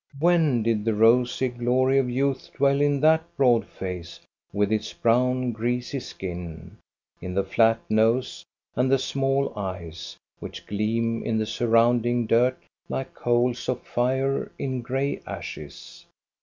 When did the rosy glory of youth dwell in that broad face with its brown greasy skin, in the flat nose and the small eyes, which gleam in the surrounding dirt like coals of fire in gray ashes?